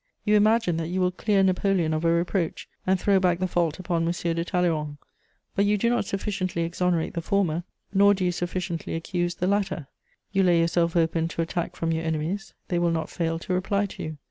You imagine that you will clear Napoleon of a reproach, and throw back the fault upon M. de Talleyrand; but you do not sufficiently exonerate the former, nor do you sufficiently accuse the latter. You lay yourself open to attack from your enemies; they will not fail to reply to you.